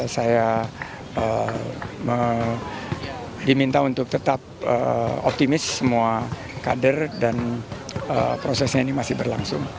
saya diminta untuk tetap optimis semua kader dan prosesnya ini masih berlangsung